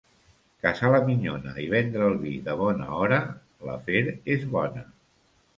Casar la minyona i vendre el vi de bona hora, l'afer és bona.